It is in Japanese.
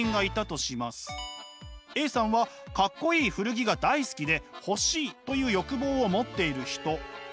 Ａさんはかっこいい古着が大好きで欲しいという欲望を持っている人。